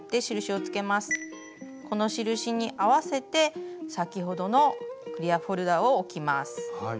この印に合わせて先ほどのクリアホルダーを置きます。